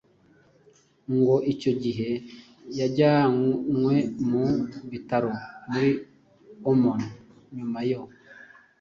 Ngo icyo gihe yajyanwe mu Bitaro muri Oman nyuma yo